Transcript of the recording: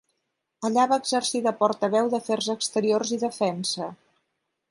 Allà va exercir de portaveu d'afers exteriors i defensa.